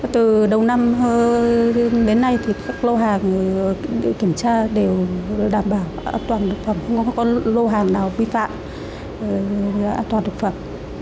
từ đầu năm đến nay thì các lô hàng kiểm tra đều đảm bảo an toàn thực phẩm không có lô hàng nào vi phạm an toàn thực phẩm